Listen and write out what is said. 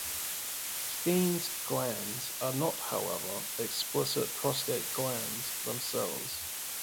Skene's glands are not, however, explicit prostate glands themselves.